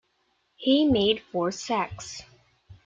He made four sacks.